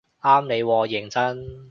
啱你喎認真